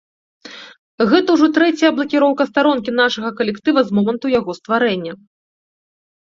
Гэта ўжо трэцяя блакіроўка старонкі нашага калектыва з моманту яго стварэння.